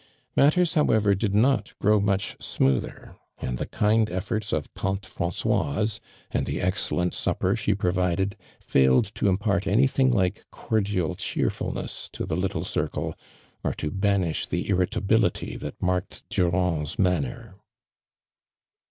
Matters, however, did not grow much smoother, a,iti. the kind eflbrts of tante Francois©, and the excellent supper she provided, failed to impart any thmg like cordial cheerfulness to the little circle, or to banish the irritability that marked Durand's manner.